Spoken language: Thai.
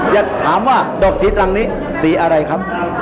อยากถามว่าดอกสีตรังนี้สีอะไรครับ